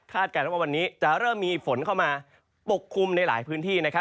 การว่าวันนี้จะเริ่มมีฝนเข้ามาปกคลุมในหลายพื้นที่